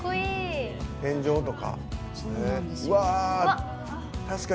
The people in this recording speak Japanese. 天井とか。